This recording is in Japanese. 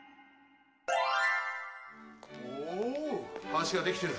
ほう橋ができてる！